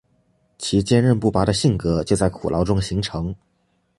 其坚忍不拔的性格就在苦牢中形成。